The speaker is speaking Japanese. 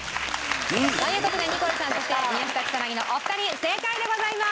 という事でニコルさんそして宮下草薙のお二人正解でございます！